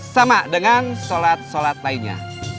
sama dengan sholat sholat lainnya